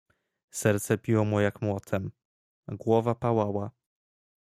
"Serce biło mu jak młotem, głowa pałała."